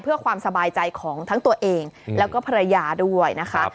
เพื่อความสบายใจของทั้งตัวเองแล้วก็ภรรยาด้วยนะคะ